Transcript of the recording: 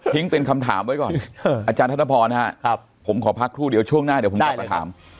เป็นคำถามไว้ก่อนอาจารย์ธนพรนะครับผมขอพักครู่เดียวช่วงหน้าเดี๋ยวผมกลับมาถาม